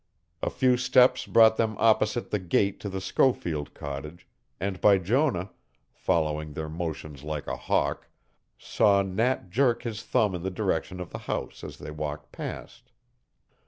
A few steps brought them opposite the gate to the Schofield cottage, and Bijonah, following their motions like a hawk, saw Nat jerk his thumb in the direction of the house as they walked past.